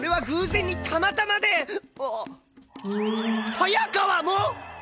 早川も！？